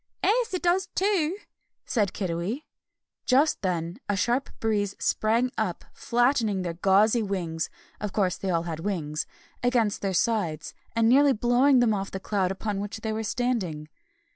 "'Es, it does too!" said Kiddiwee. Just then a sharp breeze sprang up, flattening their gauzy wings (of course, they all had wings) against their sides, and nearly blowing them off the cloud upon which they were standing.